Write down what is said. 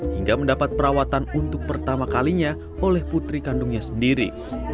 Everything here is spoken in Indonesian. hingga mendapat perawatan untuk pertama kalinya oleh putri kandungnya sendiri